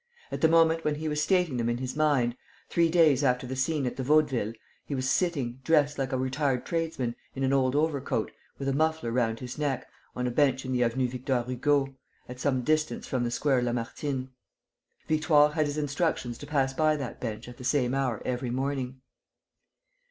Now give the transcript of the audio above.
At the moment when he was stating them in his mind, three days after the scene at the Vaudeville, he was sitting, dressed like a retired tradesman, in an old overcoat, with a muffler round his neck, on a bench in the Avenue Victor Hugo, at some distance from the Square Lamartine. Victoire had his instructions to pass by that bench at the same hour every morning.